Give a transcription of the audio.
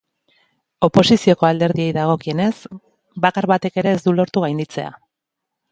Oposizioko alderdiei dagokienez, bakar batek ere ez du lortu gainditzea.